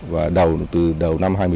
và đầu từ đầu năm hai nghìn một mươi sáu